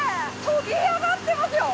跳び上がってますよ！